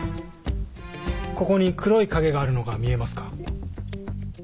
ここに黒い影があるのが見えますか？